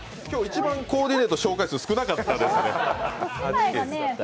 今日、一番コーディネート紹介少なかったですね。